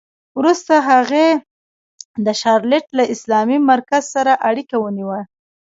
وروسته هغې د شارليټ له اسلامي مرکز سره اړیکه ونیوه